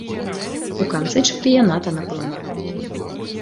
У канцы чэмпіяната, напэўна.